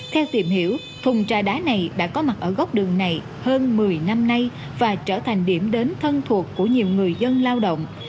theo tìm hiểu thùng trà đá này đã có mặt ở góc đường này hơn một mươi năm nay và trở thành điểm đến thân thuộc của nhiều người dân lao động